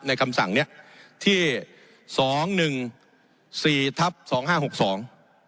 คำสั่งเนี้ยที่สองหนึ่งสี่ทับสองห้าหกสอง